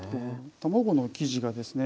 卵の生地がですね